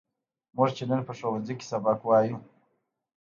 موږ چې نن په ښوونځي کې سبق وایو.